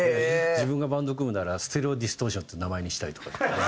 自分がバンド組むなら「ステレオ・ディストーション」って名前にしたいとかって。